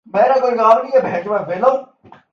اگر ایسا تھا۔